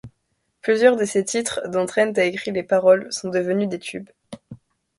Plusieurs de ces titres, dont Trent a écrit les paroles, sont devenus des tubes.